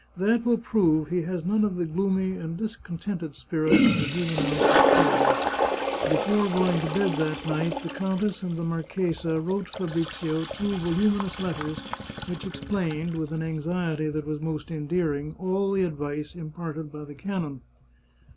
That will prove he has none of the gloomy and discontented spirit of the juvenile conspirator." Before going to bed that night, the countess and the marchesa wrote Fabrizio two voluminous letters, which explained, with an anxiety that was most endearing, all the advice imparted by the canon.